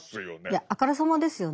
いやあからさまですよね。